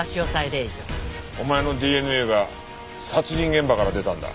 お前のＤＮＡが殺人現場から出たんだ。